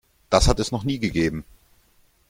Das hat es noch nie gegeben.